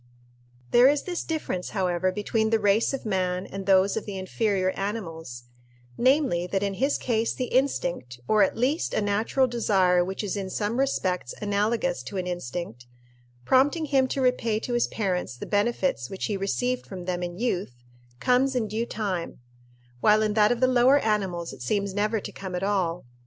There is this difference, however, between the race of man and those of the inferior animals namely, that in his case the instinct, or at least a natural desire which is in some respects analogous to an instinct, prompting him to repay to his parents the benefits which he received from them in youth, comes in due time; while in that of the lower animals it seems never to come at all.